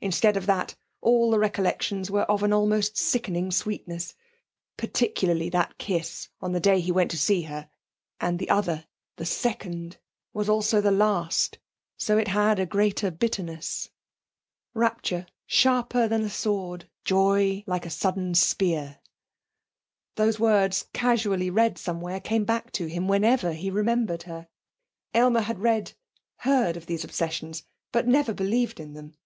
Instead of that, all the recollections were of an almost sickening sweetness; particularly that kiss on the day he went to see her. And the other, the second, was also the last; so it had a greater bitterness. 'Rapture sharper than a sword, Joy like o sudden spear.' These words, casually read somewhere, came back to him whenever he remembered her! Aylmer had read, heard of these obsessions, but never believed in them.